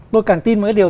tôi cần tin một cái điều